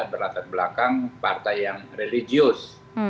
berlatar belakang partai yang religius